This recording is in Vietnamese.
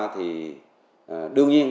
thì đương nhiên